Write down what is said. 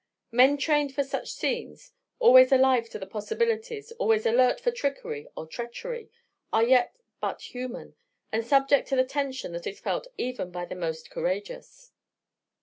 Men trained for such scenes always alive to the possibilities, always alert for trickery or treachery are yet but human, and subject to the tension that is felt even by the most courageous.